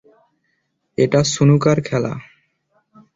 এটা স্নুকার খেলা।